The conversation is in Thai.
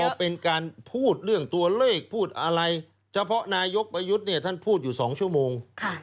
พอเป็นการพูดเรื่องตัวเลขพูดอะไรเฉพาะนายกประยุทธ์เนี่ยท่านพูดอยู่๒ชั่วโมง